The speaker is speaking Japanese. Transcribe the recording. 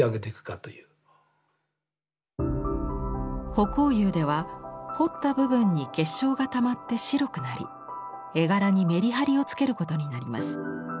葆光釉では彫った部分に結晶がたまって白くなり絵柄にメリハリをつけることになります。